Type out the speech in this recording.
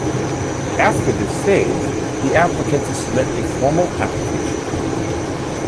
After this stage, the applicant to submit a formal application.